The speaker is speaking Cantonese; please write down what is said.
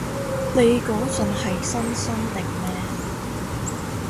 你嗰陣係新生定咩？